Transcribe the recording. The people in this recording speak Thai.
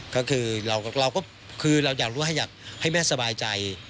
ก็คือเราก็อยากรู้ให้แม่สบายใจ